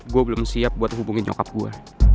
gue belum siap buat hubungi nyokap gue